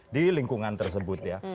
di lingkungan tersebut ya